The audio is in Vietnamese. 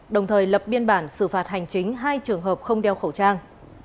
đồng thời lập biên bản xử phạt hành chính hai trường hợp không đeo khẩu trang